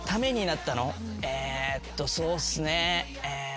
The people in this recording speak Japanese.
えっとそうっすねえ。